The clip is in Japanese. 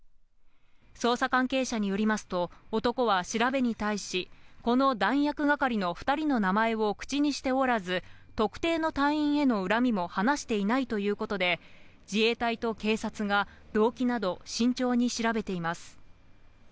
捜査関係者によりますと、男は調べに対し、この弾薬係の２人の名前を口にしておらず、特定の隊員への恨みも話していないということで自衛隊と警察が動機などを慎重に調べています。